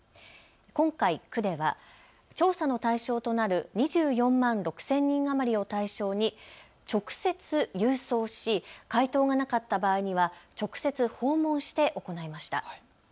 今回、区では調査の対象となる２４万６０００人余りを対象に直接、郵送し回答がなかった場合には直接、訪問して行いました。